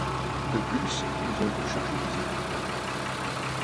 De plus, ils ont été chargés des études d'impact.